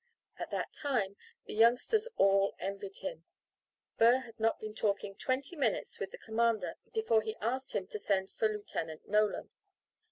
At that time the youngsters all envied him. Burr had not been talking twenty minutes with the commander before he asked him to send for Lieutenant Nolan.